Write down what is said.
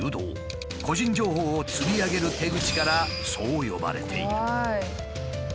個人情報を釣り上げる手口からそう呼ばれている。